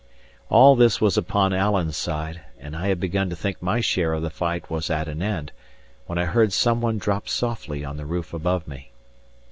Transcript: All this was upon Alan's side; and I had begun to think my share of the fight was at an end, when I heard some one drop softly on the roof above me.